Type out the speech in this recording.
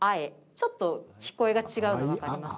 ちょっと聞こえが違うの分かります？